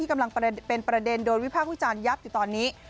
กำลังเป็นประเด็นโดนวิพากษ์วิจารณ์ยับอยู่ตอนนี้